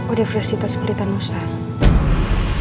udah fokus di tas pelitian usah